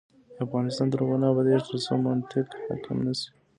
افغانستان تر هغو نه ابادیږي، ترڅو منطق حاکم نشي.